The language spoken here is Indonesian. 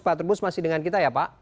pak trubus masih dengan kita ya pak